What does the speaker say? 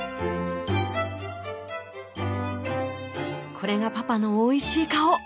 これがパパのおいしい顔。